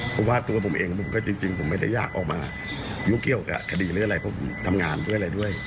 เพราะว่าตัวผมเองผมก็จริงผมไม่ได้อยากออกมายุ่งเกี่ยวกับคดีหรืออะไรเพราะผมทำงานด้วยอะไรด้วย